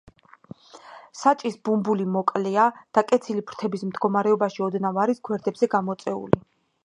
საჭის ბუმბული მოკლეა, დაკეცილი ფრთების მდგომარეობაში ოდნავ არის გვერდებზე გამოწეული.